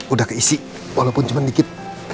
udah keisi walaupun cuma dikit